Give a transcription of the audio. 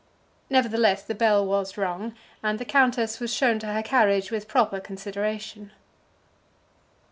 Nevertheless the bell was rung, and the countess was shown to her carriage with proper consideration.